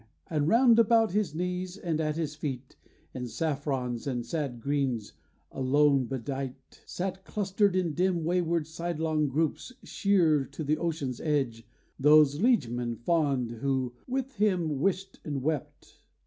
And round about his knees, and at his feet, In saffrons and sad greens alone bedight, Sat, clustered in dim wayward sidelong groups Sheer to the ocean's edge, those liegemen fond Who with him wished and wept.